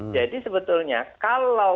jadi sebetulnya kalau